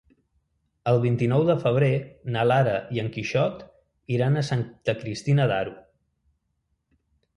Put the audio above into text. El vint-i-nou de febrer na Lara i en Quixot iran a Santa Cristina d'Aro.